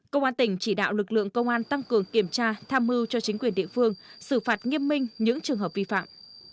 công an tỉnh chỉ đạo lực lượng công an tăng cường kiểm tra tham mưu cho chính quyền địa phương xử phạt nghiêm minh những trường hợp vi phạm